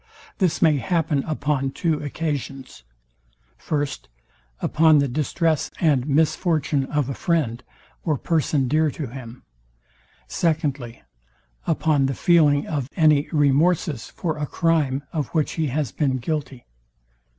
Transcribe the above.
This may happen upon two occasions. First, Upon the distress and misfortune of a friend, or person dear to him. Secondly, Upon the feeling any remorses for a crime, of which he has been guilty.